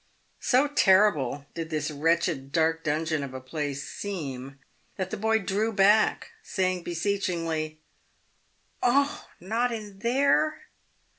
So terrible did this wretched, dark dungeon of a place seem, that the boy drew back, saying beseech ingly, " Oh ! not in there."